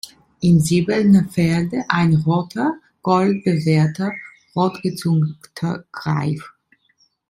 Im silbernen Felde ein roter, goldbewehrter, rotgezungter Greif.